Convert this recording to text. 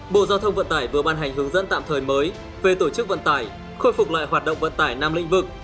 bộ giao thông vận tải vừa ban hành hướng dẫn tạm thời mới về tổ chức vận tải khôi phục lại hoạt động vận tải năm lĩnh vực